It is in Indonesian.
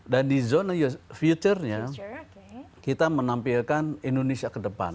dan di zona future nya kita menampilkan indonesia kedepan